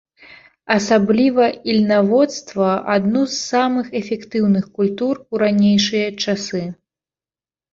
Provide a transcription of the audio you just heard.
Асабліва ільнаводства, адну з самых эфектыўных культур у ранейшыя часы.